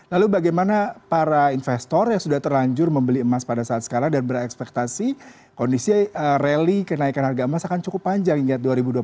lalu bagaimana para investor yang sudah terlanjur membeli emas pada saat sekarang dan berekspektasi kondisi rally kenaikan harga emas akan cukup panjang hingga dua ribu dua puluh satu